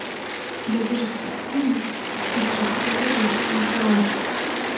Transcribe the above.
Я вижу свою комнату и вижу себя, лежащего на кровати.